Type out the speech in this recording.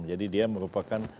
jadi dia merupakan